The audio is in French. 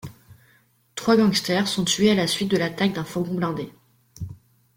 Trois gangsters sont tués à la suite de l’attaque d’un fourgon blindé.